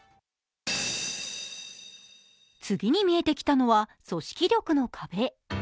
次に見えてきたのは組織力の壁。